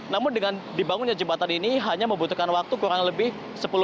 namun dengan dibangunnya jembatan ini hanya membutuhkan waktu kurang lebih sepuluh menit